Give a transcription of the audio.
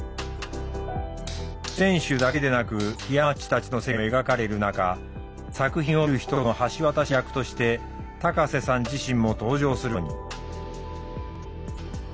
選手だけでなくひやまっちたちの世界も描かれる中作品を見る人との橋渡し役として高瀬さん自身も登場することに。